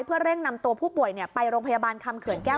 เพื่อเร่งนำตัวผู้ป่วยไปโรงพยาบาลคำเขื่อนแก้ว